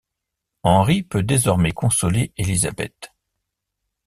Henry peut désormais consoler Elizabeth.